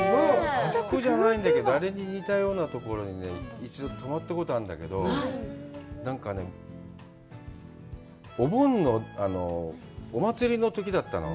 あそこじゃないんだけど、あれに似たようなところに一度泊まったことあるんだけど、なんかね、お盆のお祭りのときだったの。